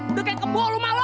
udah kayak kebu lu mah lu